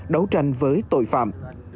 đấu tranh với tội phạm